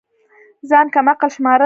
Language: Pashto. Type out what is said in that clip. ځان كم عقل شمارل